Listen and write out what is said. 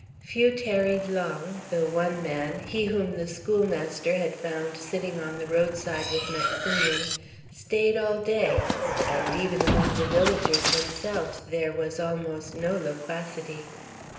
'" Few tarried long, though one man he whom the schoolmaster had found sitting on the roadside with Maximian staid all day; and even among the villagers themselves there was almost no loquacity.